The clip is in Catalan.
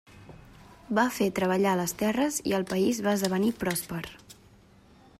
Va fer treballar les terres i el país va esdevenir pròsper.